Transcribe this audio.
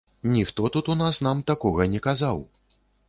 Ніхто тут у нас нам такога не казаў.